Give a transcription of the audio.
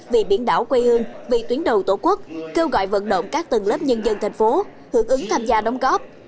vì biển đảo quê hương vì tuyến đầu tổ quốc kêu gọi vận động các tầng lớp nhân dân tp hcm hướng ứng tham gia đóng góp